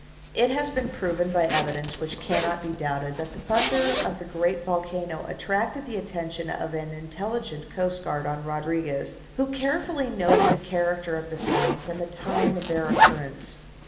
It has been proved by evidence which cannot be doubted that the thunders of the great volcano attracted the attention of an intelligent coast guard on Rodriguez, who carefully noted the character of the sounds and the time of their occurrence.